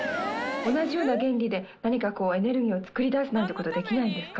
同じような原理で、なにかこう、エネルギーを作り出すなんてこと、できないんですか？